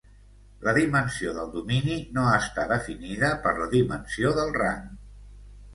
La dimensió del domini no està definida per la dimensió del rang.